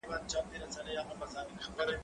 زه هره ورځ ليکلي پاڼي ترتيب کوم؟